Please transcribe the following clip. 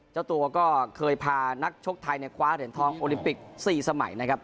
เจ้าตัวก็เคยพานักชกไทยคว้าเหรียญทองโอลิมปิก๔สมัยนะครับ